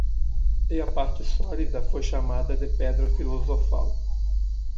E a parte sólida foi chamada de Pedra Filosofal.